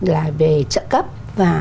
là về trợ cấp và